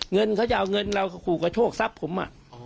เงินเขาจะเอาเงินเราก็ขู่กระโชคทรัพย์ผม